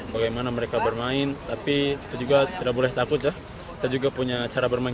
bagaimana mereka bermain tapi kita juga tidak boleh takut ya kita juga punya cara bermain